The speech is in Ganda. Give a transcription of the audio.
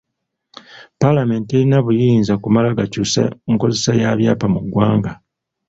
Palamenti terina buyinza kumala gakyusa nkozesa ya byapa mu ggwanga.